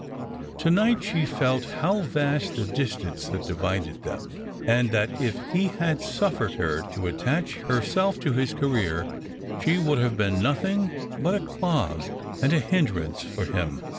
To night she felt how vast was the distance that divided them ; and that, ii he had suffered her to attach herself to his career, she would have been nothing but a clog and a hindrance for him.